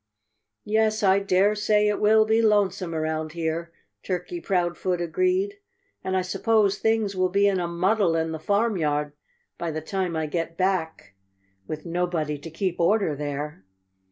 "Yes, I dare say it will be lonesome around here," Turkey Proudfoot agreed. "And I suppose things will be in a muddle in the farmyard by the time I get back, with nobody to keep order there."